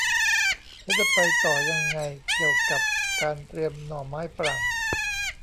ฉันจะไปต่อยังไงเกี่ยวกับการเตรียมหน่อไม้ฝรั่ง